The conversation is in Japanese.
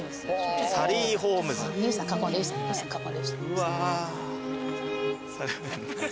うわ。